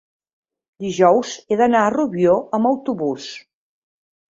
dijous he d'anar a Rubió amb autobús.